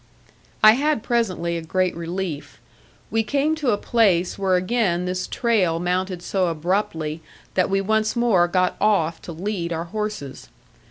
I had presently a great relief. We came to a place where again this trail mounted so abruptly that we once more got off to lead our horses.